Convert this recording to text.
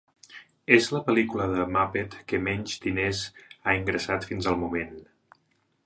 És la pel·lícula de Muppet que menys diners ha ingressat fins al moment.